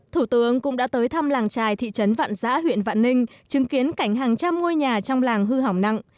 thủ tướng cũng đã tới thăm làng trài thị trấn vạn giã huyện vạn ninh chứng kiến cảnh hàng trăm ngôi nhà trong làng hư hỏng nặng